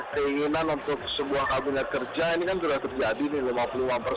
keinginan untuk sebuah kabinet kerja ini kan sudah terjadi nih